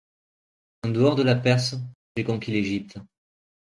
En dehors de la Perse, j'ai conquis l'Égypte.